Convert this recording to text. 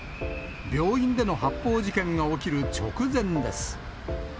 病院での発砲事件が起きる直前です。